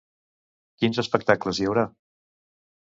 Quins espectacles hi haurà?